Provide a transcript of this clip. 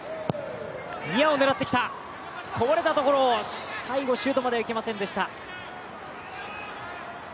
こぼれたところを、最後、シュートまではいけませんでした。